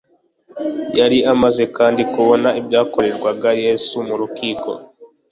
yari amaze kandi kubona ibyakorerwaga yesu mu rukiko